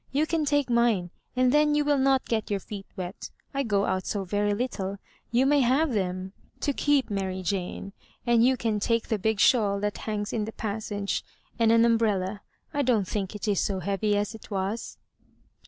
You can take mine, and then you will not get your feet wet. I go out 80 Y&ry little ; you may have them— to keep— Mary Jane. And you can take the big shawl that hangs in the passage, and an um breUa. I don't think it is so heavy as it was."